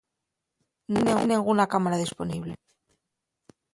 Nun hai nenguna cámara disponible.